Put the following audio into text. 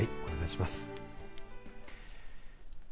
お願いします。